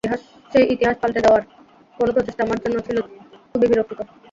সেই ইতিহাস পাল্টে দেওয়ার কোনো প্রচেষ্টা আমার জন্য ছিল খুবই বিরক্তিকর।